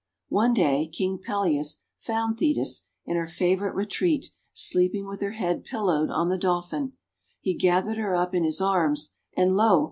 One day, King Peleus found Thetis, in her fa vourite retreat, sleeping with her head pillowed on the Dolphin. He gathered her up in his arms, and, lo!